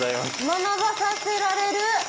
学ばさせられる。